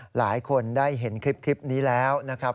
หลายคนได้เห็นคลิปนี้แล้วนะครับ